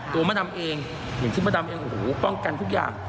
มดำเองอย่างที่มะดำเองโอ้โหป้องกันทุกอย่าง